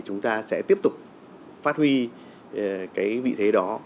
chúng ta sẽ tiếp tục phát huy cái vị thế đó